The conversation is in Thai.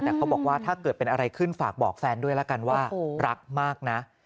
แต่เขาบอกว่าถ้าเกิดเป็นอะไรขึ้นฝากบอกแฟนด้วยแล้วกันว่ารักมากนะ